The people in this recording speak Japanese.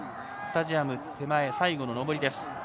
スタジアム手前最後の上りです。